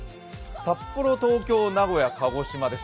札幌、東京、名古屋、鹿児島です。